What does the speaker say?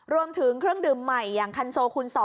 รวมถึงเครื่องดื่มใหม่อย่างคันโซคูณ๒